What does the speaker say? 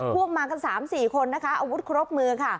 พวกมากัน๓๔คนนะคะอาวุธครบมือค่ะ